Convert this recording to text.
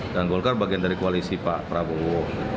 dan golkar bagian dari koalisi pak prabowo